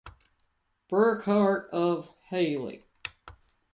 Burkhart of Hailey.